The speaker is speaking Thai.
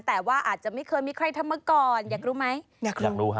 แต่ว่าอาจจะไม่เคยมีใครทำกรอยากรู้ไหมอยากรู้อยากรู้ค่ะ